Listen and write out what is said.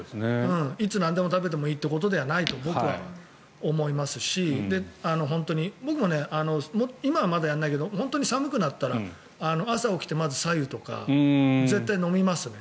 いつ何を食べてもいいということではないと僕は思いますし僕も今はまだやらないけど寒くなったら朝、起きてまず、さゆとか絶対飲みますね。